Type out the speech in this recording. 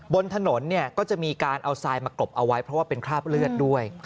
บนถนนเนี่ยก็จะมีการเอาทรายมากรบเอาไว้เพราะว่าเป็นคราบเลือดด้วย